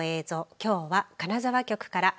きょうは、金沢局から。